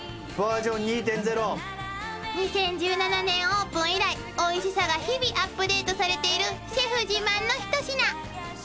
［２０１７年オープン以来おいしさが日々アップデートされているシェフ自慢の一品］